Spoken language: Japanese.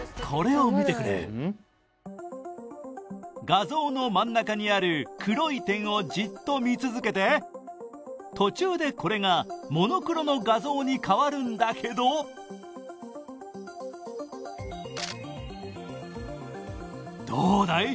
画像の真ん中にある黒い点をじっと見続けて途中でこれがモノクロの画像に変わるんだけどどうだい？